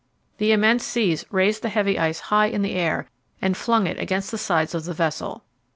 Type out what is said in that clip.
The immense seas raised the heavy ice high in the air, and flung it against the sides of the vessel.